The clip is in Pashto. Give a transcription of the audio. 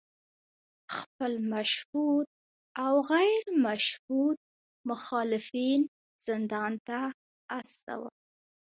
خپل مشهود او غیر مشهود مخالفین زندان ته استول